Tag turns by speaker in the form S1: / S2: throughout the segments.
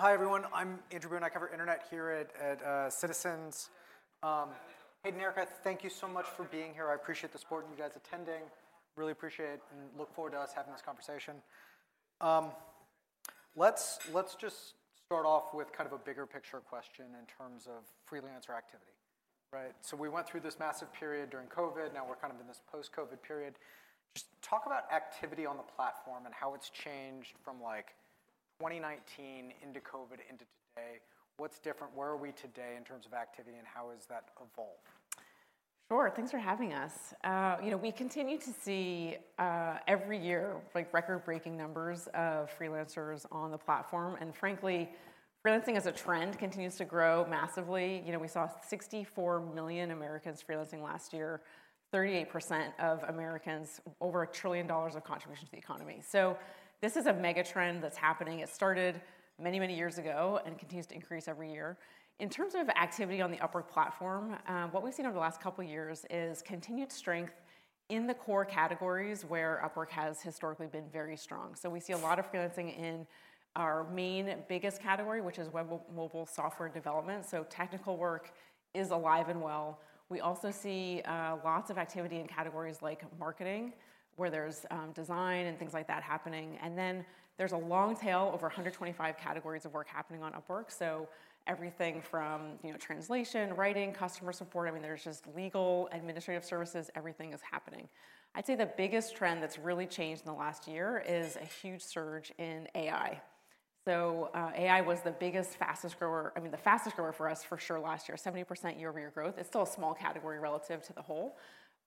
S1: Hi, everyone. I'm Andrew Boone. I cover internet here at Citizens JMP. Hey, Erica, thank you so much for being here. I appreciate the support of you guys attending. Really appreciate it, and look forward to us having this conversation. Let's just start off with kind of a bigger picture question in terms of freelancer activity, right? So we went through this massive period during COVID, now we're kind of in this post-COVID period. Just talk about activity on the platform and how it's changed from, like, 2019 into COVID, into today. What's different? Where are we today in terms of activity, and how has that evolved?
S2: Sure, thanks for having us. You know, we continue to see every year, like, record-breaking numbers of freelancers on the platform, and frankly, freelancing as a trend continues to grow massively. You know, we saw 64 million Americans freelancing last year, 38% of Americans, over $1 trillion of contribution to the economy. So this is a mega trend that's happening. It started many, many years ago, and continues to increase every year. In terms of activity on the Upwork platform, what we've seen over the last couple of years is continued strength in the core categories where Upwork has historically been very strong. So we see a lot of freelancing in our main biggest category, which is web, mobile software development, so technical work is alive and well. We also see lots of activity in categories like marketing, where there's design and things like that happening. And then, there's a long tail, over 125 categories of work happening on Upwork, so everything from, you know, translation, writing, customer support, I mean, there's just legal, administrative services, everything is happening. I'd say the biggest trend that's really changed in the last year is a huge surge in AI. So, AI was the biggest, fastest grower—I mean, the fastest grower for us for sure last year, 70% year-over-year growth. It's still a small category relative to the whole,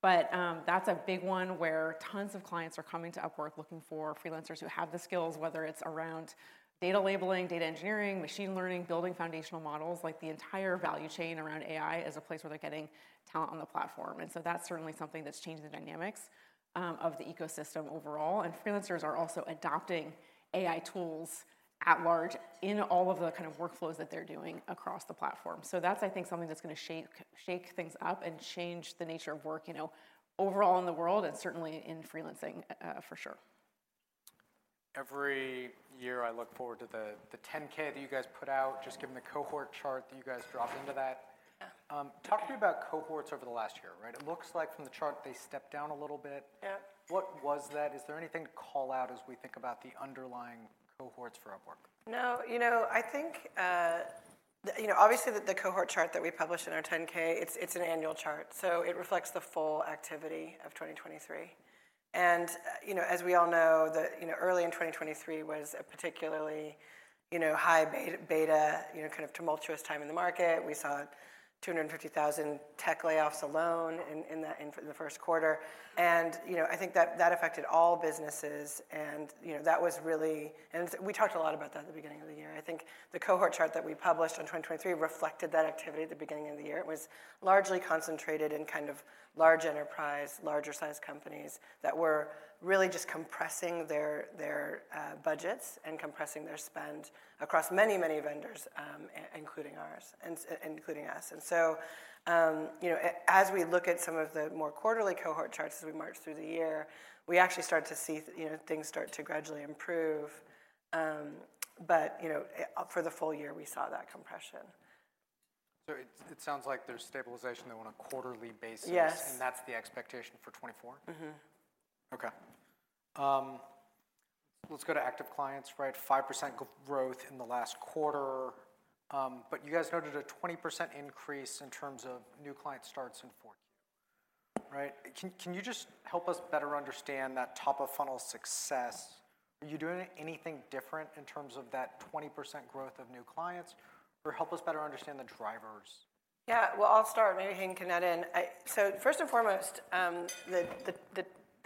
S2: but that's a big one, where tons of clients are coming to Upwork looking for freelancers who have the skills, whether it's around data labeling, data engineering, machine learning, building foundational models. Like, the entire value chain around AI is a place where they're getting talent on the platform. And so that's certainly something that's changed the dynamics of the ecosystem overall. And freelancers are also adopting AI tools at large in all of the kind of workflows that they're doing across the platform. So that's, I think, something that's gonna shake things up and change the nature of work, you know, overall in the world, and certainly in freelancing for sure.
S1: Every year, I look forward to the 10-K that you guys put out, just given the cohort chart that you guys drop into that.
S2: Yeah.
S1: Talk to me about cohorts over the last year, right? It looks like from the chart, they stepped down a little bit.
S2: Yeah.
S1: What was that? Is there anything to call out as we think about the underlying cohorts for Upwork?
S2: No, you know, I think the, you know, obviously the cohort chart that we published in our 10-K, it's an annual chart, so it reflects the full activity of 2023. You know, as we all know, early in 2023 was a particularly, you know, high beta, you know, kind of tumultuous time in the market. We saw 250,000 tech layoffs alone in the first quarter, and, you know, I think that affected all businesses, and, you know, that was really... We talked a lot about that at the beginning of the year. I think the cohort chart that we published on 2023 reflected that activity at the beginning of the year. It was largely concentrated in kind of large enterprise, larger-sized companies, that were really just compressing their budgets and compressing their spend across many, many vendors, including ours, and including us. And so, you know, as we look at some of the more quarterly cohort charts as we march through the year, we actually start to see, you know, things start to gradually improve. But, you know, for the full year, we saw that compression.
S1: So it sounds like there's stabilization there on a quarterly basis.
S2: Yes...
S1: and that's the expectation for 2024?
S2: Mm-hmm.
S1: Okay. Let's go to active clients, right? 5% growth in the last quarter, but you guys noted a 20% increase in terms of new client starts in Q4. Right? Can you just help us better understand that top-of-funnel success? Are you doing anything different in terms of that 20% growth of new clients, or help us better understand the drivers?
S2: Yeah. Well, I'll start, maybe Hayden can add in. So first and foremost, the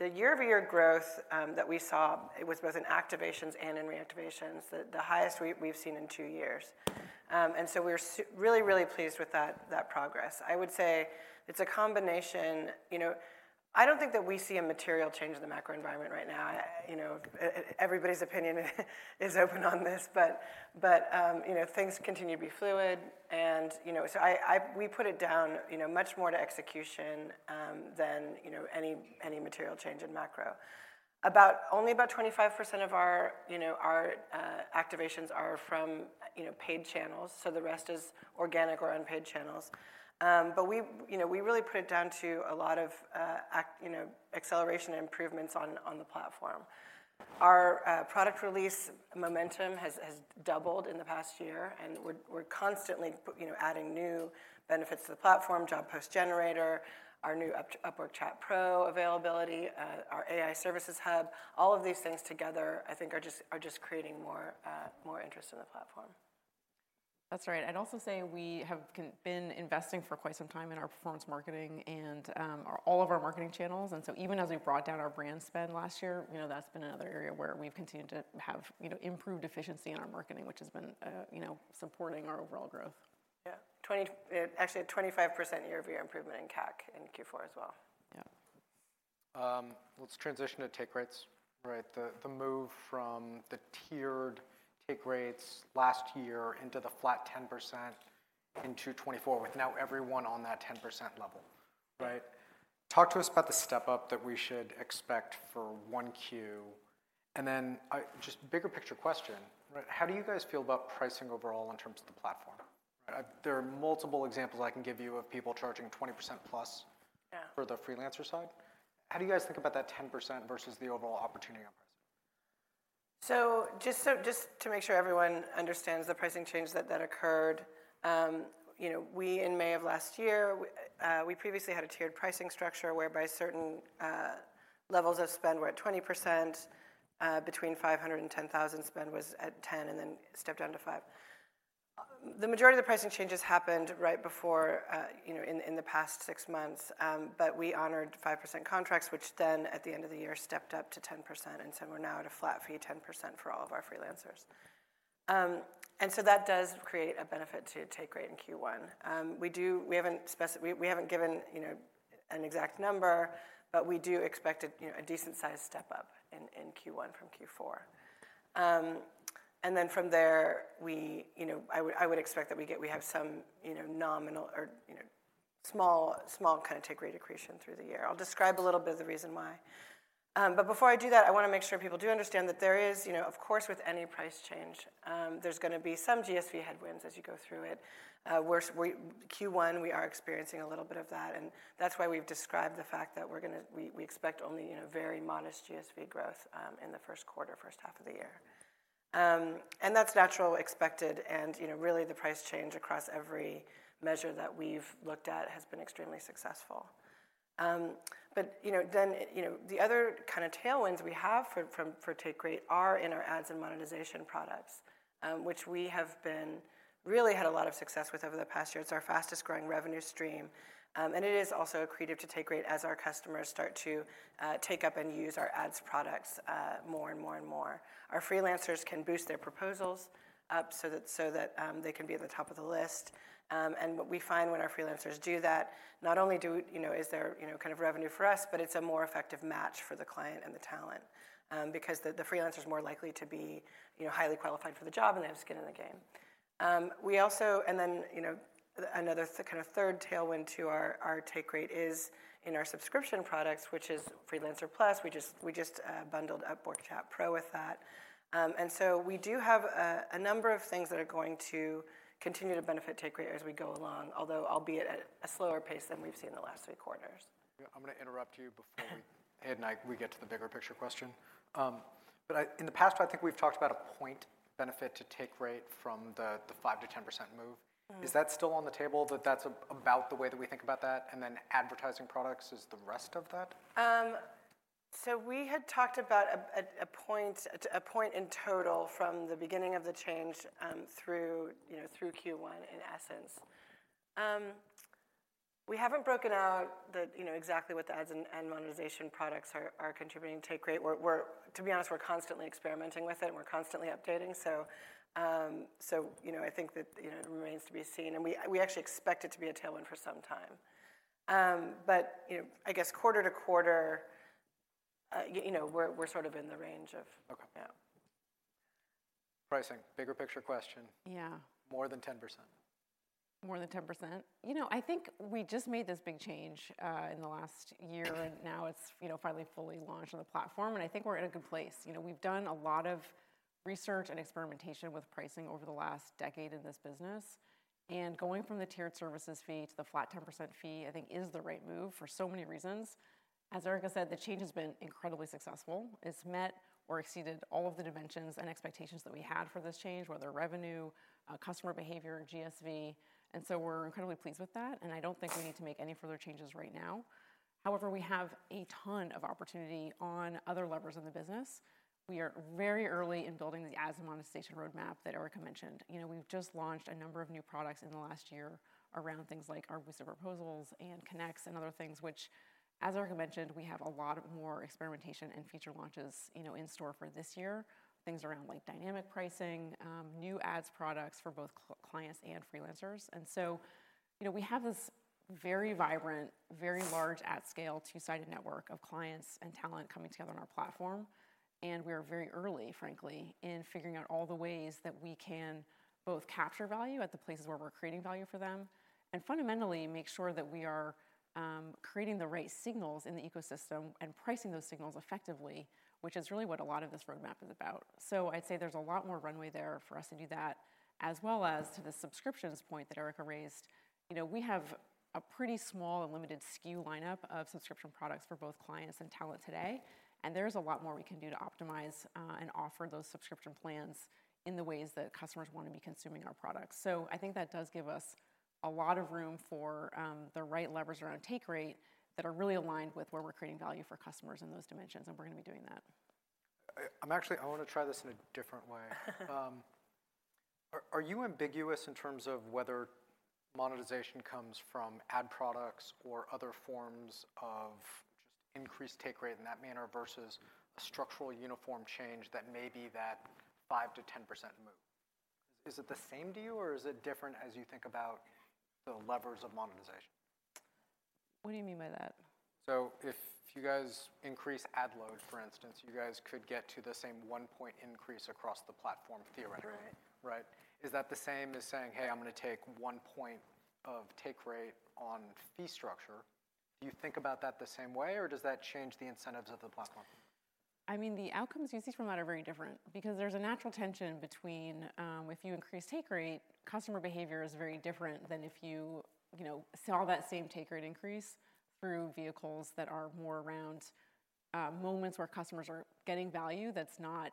S2: year-over-year growth that we saw was both in activations and in reactivations, the highest we've seen in two years. And so we're really, really pleased with that progress. I would say it's a combination, you know. I don't think that we see a material change in the macro environment right now. I, you know, everybody's opinion is open on this, but, you know, things continue to be fluid and, you know, so we put it down, you know, much more to execution than, you know, any material change in macro. Only about 25% of our activations are from paid channels, so the rest is organic or unpaid channels. But we, you know, we really put it down to a lot of, you know, acceleration and improvements on the platform. Our product release momentum has doubled in the past year, and we're constantly, you know, adding new benefits to the platform, Job Post Generator, our new Upwork Chat Pro availability, our AI Services Hub. All of these things together, I think, are just creating more interest in the platform.
S3: That's right. I'd also say we have been investing for quite some time in our performance marketing and all of our marketing channels, and so even as we brought down our brand spend last year, you know, that's been another area where we've continued to have, you know, improved efficiency in our marketing, which has been, you know, supporting our overall growth.
S2: Yeah, actually a 25% year-over-year improvement in CAC in Q4 as well.
S3: Yeah.
S1: Let's transition to take rates, right? The move from the tiered take rates last year into the flat 10% into 2024 with now everyone on that 10% level, right? Talk to us about the step up that we should expect for Q1. And then, just bigger picture question, right? How do you guys feel about pricing overall in terms of the platform? There are multiple examples I can give you of people charging 20%+-
S2: Yeah
S1: -for the freelancer side. How do you guys think about that 10% versus the overall opportunity on pricing?
S2: So just so, just to make sure everyone understands the pricing change that occurred, you know, we in May of last year, we previously had a tiered pricing structure, whereby certain levels of spend were at 20%, between $500-$10,000 spend was at 10, and then stepped down to 5%. The majority of the pricing changes happened right before, you know, in the past six months. But we honored 5% contracts, which then, at the end of the year, stepped up to 10%, and so we're now at a flat fee, 10% for all of our freelancers. And so that does create a benefit to take rate in Q1. We haven't spec... We haven't given, you know, an exact number, but we do expect, you know, a decent-sized step up in Q1 from Q4. And then from there, you know, I would expect that we have some, you know, nominal or, you know, small kind of take rate accretion through the year. I'll describe a little bit of the reason why. But before I do that, I want to make sure people do understand that there is, you know, of course, with any price change, there's going to be some GSV headwinds as you go through it. Q1 we are experiencing a little bit of that, and that's why we've described the fact that we expect only, you know, very modest GSV growth in the first quarter, first half of the year. And that's natural, expected, and, you know, really the price change across every measure that we've looked at has been extremely successful. But, you know, then, you know, the other kind of tailwinds we have for take rate are in our ads and monetization products, which we have really had a lot of success with over the past year. It's our fastest-growing revenue stream, and it is also accretive to take rate as our customers start to take up and use our ads products more and more and more. Our freelancers can boost their proposals up so that they can be at the top of the list. And what we find when our freelancers do that, not only do, you know, is there, you know, kind of revenue for us, but it's a more effective match for the client and the talent. Because the freelancer is more likely to be, you know, highly qualified for the job, and they have skin in the game. We also... And then, you know, another kind of third tailwind to our take rate is in our subscription products, which is Freelancer Plus. We just bundled Upwork Chat Pro with that. And so we do have a number of things that are going to continue to benefit take rate as we go along, although albeit at a slower pace than we've seen in the last three quarters.
S1: Yeah, I'm going to interrupt you before we-Ed and I, we get to the bigger picture question. But in the past, I think we've talked about a point benefit to take rate from the 5%-10% move.
S2: Mm.
S1: Is that still on the table, that that's about the way that we think about that, and then advertising products is the rest of that?
S2: So we had talked about a point in total from the beginning of the change through, you know, through Q1, in essence. We haven't broken out exactly what the ads and monetization products are contributing to take rate. To be honest, we're constantly experimenting with it, and we're constantly updating. So, you know, I think that, you know, it remains to be seen, and we actually expect it to be a tailwind for some time. But, you know, I guess quarter to quarter, you know, we're sort of in the range of-
S1: Okay.
S2: Yeah.
S1: Pricing, bigger picture question.
S3: Yeah.
S1: More than 10%.
S3: More than 10%? You know, I think we just made this big change in the last year, and now it's, you know, finally fully launched on the platform, and I think we're in a good place. You know, we've done a lot of research and experimentation with pricing over the last decade in this business, and going from the tiered services fee to the flat 10% fee, I think is the right move for so many reasons. As Erica said, the change has been incredibly successful. It's met or exceeded all of the dimensions and expectations that we had for this change, whether revenue, customer behavior, GSV, and so we're incredibly pleased with that, and I don't think we need to make any further changes right now. However, we have a ton of opportunity on other levers of the business. We are very early in building the ads and monetization roadmap that Erica mentioned. You know, we've just launched a number of new products in the last year around things like our boost of proposals and Connects and other things, which, as Erica mentioned, we have a lot more experimentation and feature launches, you know, in store for this year. Things around, like, dynamic pricing, new ads products for both clients and freelancers. And so, you know, we have this very vibrant, very large at scale, two-sided network of clients and talent coming together on our platform, and we are very early, frankly, in figuring out all the ways that we can both capture value at the places where we're creating value for them and fundamentally make sure that we are creating the right signals in the ecosystem and pricing those signals effectively, which is really what a lot of this roadmap is about. So I'd say there's a lot more runway there for us to do that, as well as to the subscriptions point that Erica raised. You know, we have a pretty small and limited SKU lineup of subscription products for both clients and talent today, and there's a lot more we can do to optimize, and offer those subscription plans in the ways that customers want to be consuming our products. So I think that does give us a lot of room for, the right levers around take rate that are really aligned with where we're creating value for customers in those dimensions, and we're going to be doing that.
S1: I'm actually—I want to try this in a different way. Are you ambiguous in terms of whether monetization comes from ad products or other forms of just increased take rate in that manner versus a structural uniform change that may be that 5%-10% move? Is it the same to you, or is it different as you think about the levers of monetization?...
S3: What do you mean by that?
S1: If you guys increase ad load, for instance, you guys could get to the same one point increase across the platform theoretically.
S3: Right.
S1: Right. Is that the same as saying, "Hey, I'm gonna take one point of take rate on fee structure?" Do you think about that the same way, or does that change the incentives of the platform?
S3: I mean, the outcomes you see from that are very different because there's a natural tension between, if you increase take rate, customer behavior is very different than if you, you know, sell that same take rate increase through vehicles that are more around, moments where customers are getting value that's not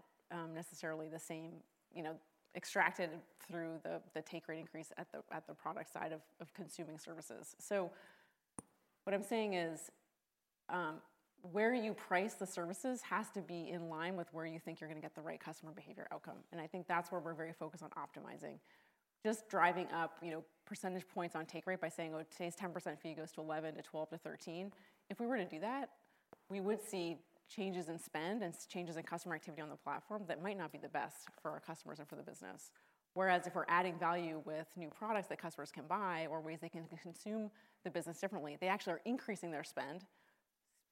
S3: necessarily the same, you know, extracted through the take rate increase at the product side of consuming services. So what I'm saying is, where you price the services has to be in line with where you think you're gonna get the right customer behavior outcome, and I think that's where we're very focused on optimizing. Just driving up, you know, percentage points on take rate by saying, "Oh, today's 10% fee goes to 11% to 12% to 13%," if we were to do that, we would see changes in spend and changes in customer activity on the platform that might not be the best for our customers and for the business. Whereas, if we're adding value with new products that customers can buy or ways they can consume the business differently, they actually are increasing their spend,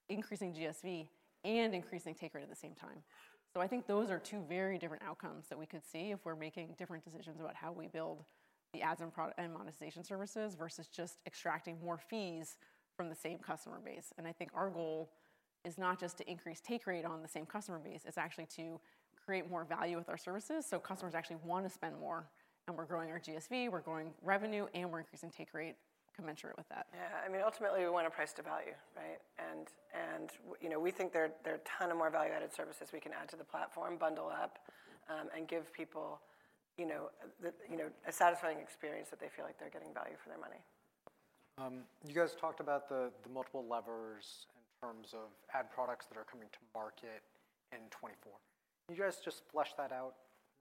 S3: increasing GSV, and increasing take rate at the same time. So I think those are two very different outcomes that we could see if we're making different decisions about how we build the ads and product and monetization services versus just extracting more fees from the same customer base. I think our goal is not just to increase take rate on the same customer base, it's actually to create more value with our services, so customers actually want to spend more. And we're growing our GSV, we're growing revenue, and we're increasing take rate commensurate with that.
S2: Yeah, I mean, ultimately, we want to price to value, right? And you know, we think there are a ton of more value-added services we can add to the platform, bundle up, and give people, you know, a satisfying experience that they feel like they're getting value for their money.
S1: You guys talked about the multiple levers in terms of ad products that are coming to market in 2024. Can you guys just flesh that out?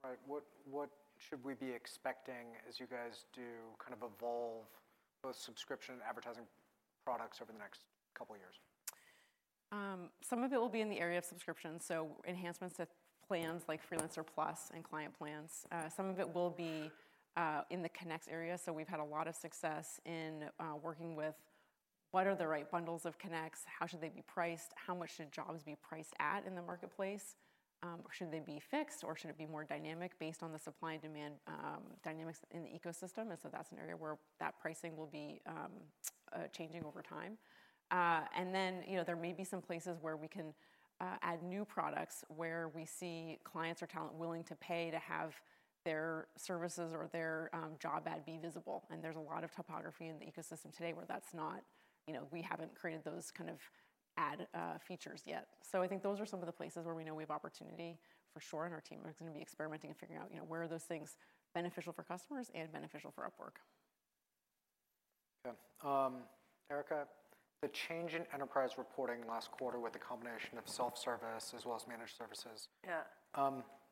S1: Like, what should we be expecting as you guys do, kind of evolve both subscription and advertising products over the next couple of years?
S3: Some of it will be in the area of subscription, so enhancements to plans like Freelancer Plus and Client Plans. Some of it will be in the Connect area. So we've had a lot of success in working with what are the right bundles of Connects, how should they be priced, how much should jobs be priced at in the marketplace? Should they be fixed, or should it be more dynamic based on the supply and demand dynamics in the ecosystem? And so that's an area where that pricing will be changing over time. And then, you know, there may be some places where we can add new products, where we see clients or talent willing to pay to have their services or their job ad be visible. There's a lot of topography in the ecosystem today where that's not... You know, we haven't created those kind of ad features yet. So I think those are some of the places where we know we have opportunity for sure, and our team is gonna be experimenting and figuring out, you know, where are those things beneficial for customers and beneficial for Upwork.
S1: Okay. Erica, the change in enterprise reporting last quarter with the combination of self-service as well as managed services-
S2: Yeah.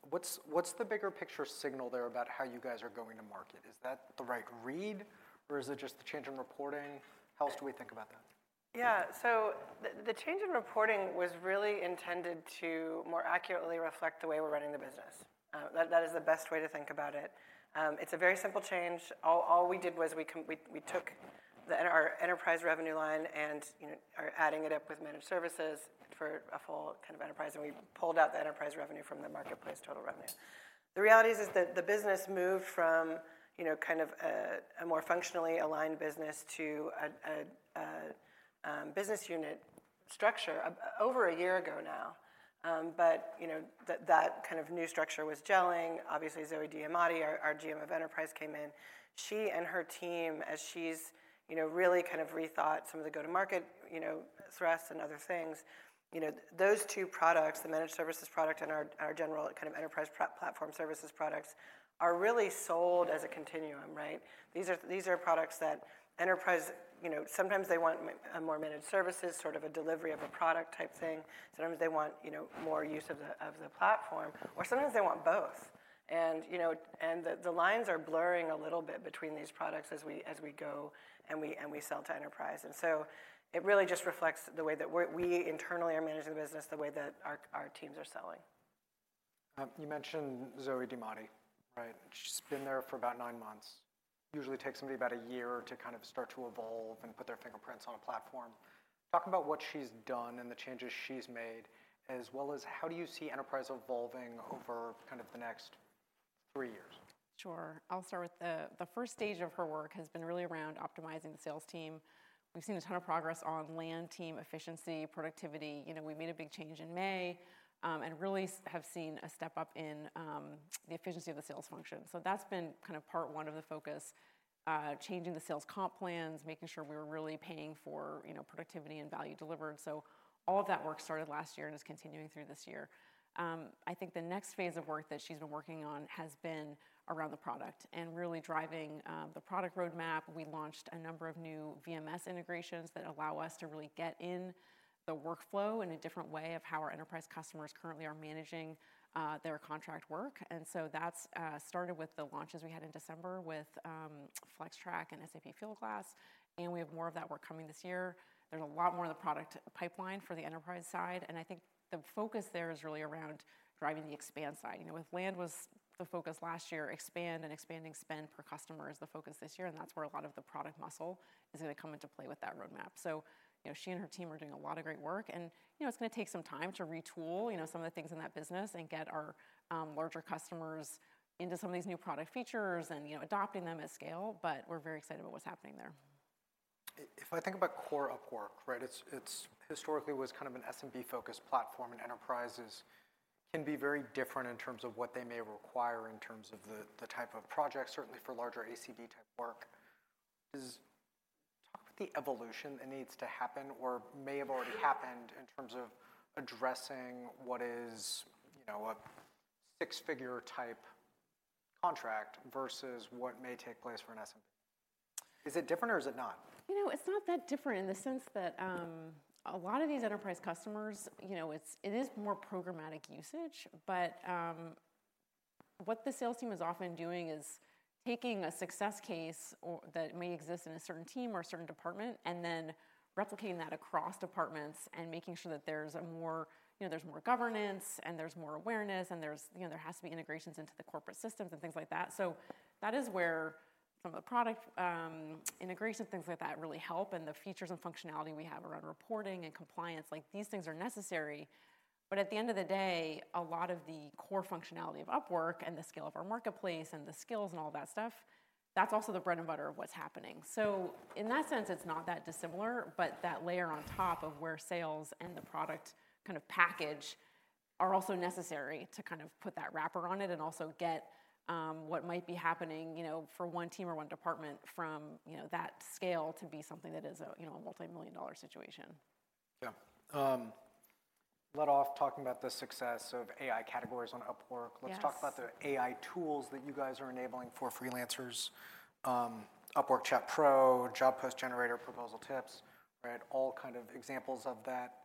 S1: What's the bigger picture signal there about how you guys are going to market? Is that the right read, or is it just the change in reporting? How else do we think about that?
S2: Yeah. So the change in reporting was really intended to more accurately reflect the way we're running the business. That is the best way to think about it. It's a very simple change. All we did was we took our enterprise revenue line, and you know, are adding it up with managed services for a full kind of enterprise, and we pulled out the enterprise revenue from the marketplace total revenue. The reality is that the business moved from you know, kind of a more functionally aligned business to a business unit structure over a year ago now. But you know, that kind of new structure was gelling. Obviously, Zoë Diamadi, our GM of Enterprise, came in. She and her team, as she's, you know, really kind of rethought some of the go-to-market, you know, thrust and other things. You know, those two products, the managed services product and our, our general kind of enterprise platform services products, are really sold as a continuum, right? These are, these are products that enterprise, you know, sometimes they want a more managed services, sort of a delivery of a product type thing. Sometimes they want, you know, more use of the, of the platform, or sometimes they want both. And, you know, and the, the lines are blurring a little bit between these products as we, as we go and we, and we sell to enterprise. And so it really just reflects the way that we're we internally are managing the business, the way that our, our teams are selling.
S1: You mentioned Zoë Diamadi, right? She's been there for about nine months. Usually, it takes somebody about a year to kind of start to evolve and put their fingerprints on a platform. Talk about what she's done and the changes she's made, as well as how do you see enterprise evolving over kind of the next three years?
S3: Sure. I'll start with the first stage of her work has been really around optimizing the sales team. We've seen a ton of progress on land team efficiency, productivity. You know, we made a big change in May, and really have seen a step up in the efficiency of the sales function. So that's been kind of part one of the focus, changing the sales comp plans, making sure we're really paying for, you know, productivity and value delivered. So all of that work started last year and is continuing through this year. I think the next phase of work that she's been working on has been around the product and really driving the product roadmap. We launched a number of new VMS integrations that allow us to really get in the workflow in a different way of how our enterprise customers currently are managing their contract work. And so that's started with the launches we had in December with Flextrack and SAP Fieldglass, and we have more of that work coming this year. There's a lot more in the product pipeline for the enterprise side, and I think the focus there is really around driving the expand side. You know, with land was the focus last year, expand and expanding spend per customer is the focus this year, and that's where a lot of the product muscle is gonna come into play with that roadmap. So, you know, she and her team are doing a lot of great work and, you know, it's gonna take some time to retool, you know, some of the things in that business and get our larger customers into some of these new product features and, you know, adopting them at scale, but we're very excited about what's happening there....
S1: If I think about core Upwork, right, it's historically was kind of an SMB focused platform, and enterprises can be very different in terms of what they may require in terms of the type of projects, certainly for larger ACV-type work. Does talk about the evolution that needs to happen or may have already happened in terms of addressing what is, you know, a six-figure type contract versus what may take place for an SMB. Is it different or is it not?
S3: You know, it's not that different in the sense that, a lot of these enterprise customers, you know, it's, it is more programmatic usage, but, what the sales team is often doing is taking a success case or that may exist in a certain team or a certain department, and then replicating that across departments and making sure that there's a more, you know, there's more governance and there's more awareness, and there's, you know, there has to be integrations into the corporate systems and things like that. So that is where some of the product, integration things like that really help, and the features and functionality we have around reporting and compliance, like, these things are necessary. But at the end of the day, a lot of the core functionality of Upwork and the scale of our marketplace and the skills and all that stuff, that's also the bread and butter of what's happening. So in that sense, it's not that dissimilar, but that layer on top of where sales and the product kind of package are also necessary to kind of put that wrapper on it and also get what might be happening, you know, for one team or one department from, you know, that scale to be something that is a, you know, a multimillion-dollar situation.
S1: Yeah. Led off talking about the success of AI categories on Upwork.
S3: Yes.
S1: Let's talk about the AI tools that you guys are enabling for freelancers. Upwork Chat Pro, Job Post Generator, Proposal Tips, right? All kind of examples of that.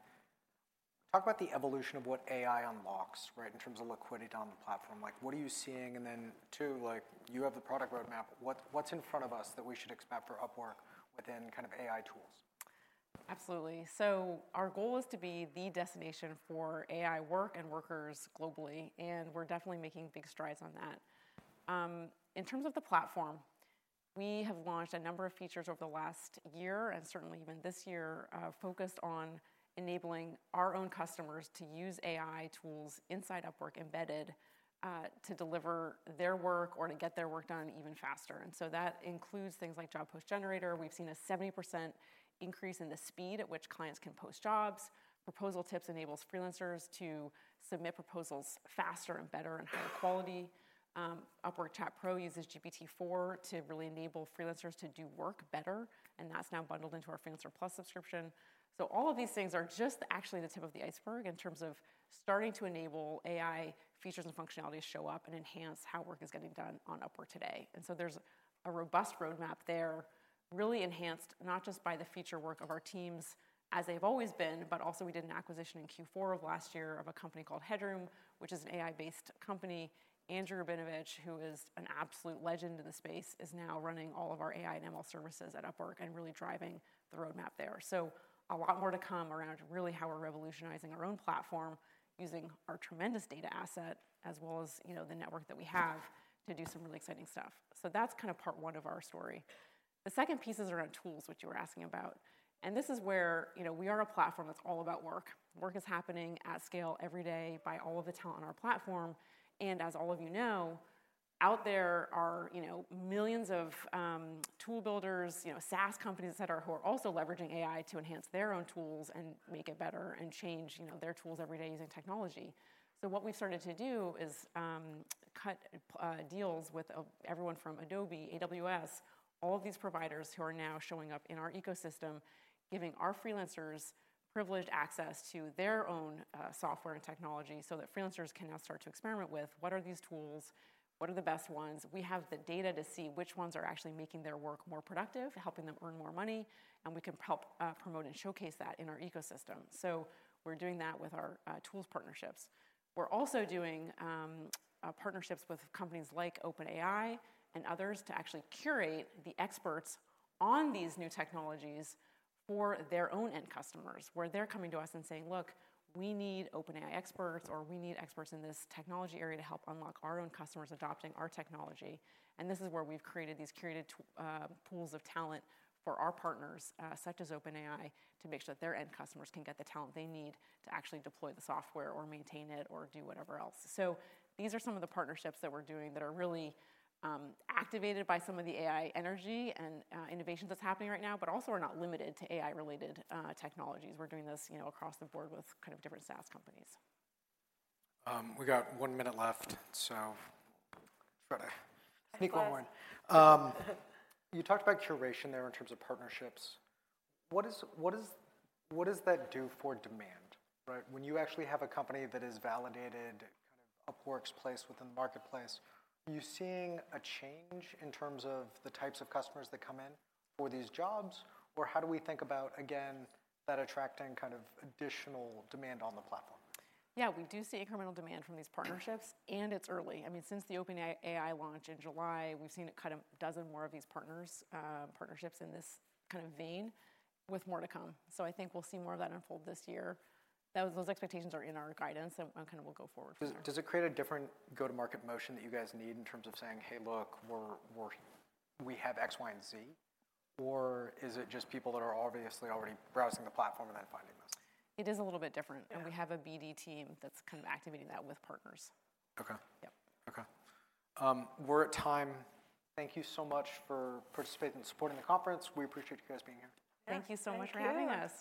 S1: Talk about the evolution of what AI unlocks, right, in terms of liquidity on the platform. Like, what are you seeing? And then, two, like, you have the product roadmap, what, what's in front of us that we should expect for Upwork within kind of AI tools?
S3: Absolutely. So our goal is to be the destination for AI work and workers globally, and we're definitely making big strides on that. In terms of the platform, we have launched a number of features over the last year, and certainly even this year, focused on enabling our own customers to use AI tools inside Upwork, embedded, to deliver their work or to get their work done even faster, and so that includes things like Job Post Generator. We've seen a 70% increase in the speed at which clients can post jobs. Proposal Tips enables freelancers to submit proposals faster and better and higher quality. Upwork Chat Pro uses GPT-4 to really enable freelancers to do work better, and that's now bundled into our Freelancer Plus subscription. So all of these things are just actually the tip of the iceberg in terms of starting to enable AI features and functionalities to show up and enhance how work is getting done on Upwork today. And so there's a robust roadmap there, really enhanced not just by the feature work of our teams as they've always been, but also we did an acquisition in Q4 of last year of a company called Headroom, which is an AI-based company. Andrew Rabinovich, who is an absolute legend in the space, is now running all of our AI and ML services at Upwork and really driving the roadmap there. So a lot more to come around, really how we're revolutionizing our own platform, using our tremendous data asset, as well as, you know, the network that we have to do some really exciting stuff. So that's kind of part one of our story. The second piece is around tools, which you were asking about, and this is where, you know, we are a platform that's all about work. Work is happening at scale every day by all of the talent on our platform, and as all of you know, out there are, you know, millions of tool builders, you know, SaaS companies, et cetera, who are also leveraging AI to enhance their own tools and make it better and change, you know, their tools every day using technology. So what we've started to do is cut deals with everyone from Adobe, AWS, all of these providers who are now showing up in our ecosystem, giving our freelancers privileged access to their own software and technology, so that freelancers can now start to experiment with: what are these tools? What are the best ones? We have the data to see which ones are actually making their work more productive, helping them earn more money, and we can help promote and showcase that in our ecosystem. So we're doing that with our tools partnerships. We're also doing partnerships with companies like OpenAI and others to actually curate the experts on these new technologies for their own end customers, where they're coming to us and saying: "Look, we need OpenAI experts, or we need experts in this technology area to help unlock our own customers adopting our technology." And this is where we've created these curated pools of talent for our partners, such as OpenAI, to make sure that their end customers can get the talent they need to actually deploy the software or maintain it, or do whatever else. So these are some of the partnerships that we're doing that are really activated by some of the AI energy and innovation that's happening right now, but also we're not limited to AI-related technologies. We're doing this, you know, across the board with kind of different SaaS companies.
S1: We got one minute left, so try to sneak one more in. You talked about curation there in terms of partnerships. What does that do for demand, right? When you actually have a company that is validated, kind of Upwork's place within the marketplace, are you seeing a change in terms of the types of customers that come in for these jobs? Or how do we think about, again, that attracting kind of additional demand on the platform?
S3: Yeah, we do see incremental demand from these partnerships, and it's early. I mean, since the OpenAI AI launch in July, we've seen it cut 12 more of these partners, partnerships in this kind of vein, with more to come. So I think we'll see more of that unfold this year. Those expectations are in our guidance, and kind of we'll go forward from there.
S1: Does it create a different go-to-market motion that you guys need in terms of saying: "Hey, look, we're—we have X, Y, and Z?" Or is it just people that are obviously already browsing the platform and then finding this?
S3: It is a little bit different-
S1: Yeah.
S3: and we have a BD team that's kind of activating that with partners.
S1: Okay.
S3: Yeah.
S1: Okay. We're at time. Thank you so much for participating and supporting the conference. We appreciate you guys being here.
S3: Thank you so much for having us.